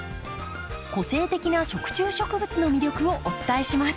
個性的な食虫植物の魅力をお伝えします。